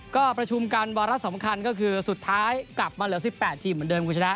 ก็ประชุมกันวาระสำคัญก็คือสุดท้ายกลับมาเหลือ๑๘ทีมเหมือนเดิมคุณชนะ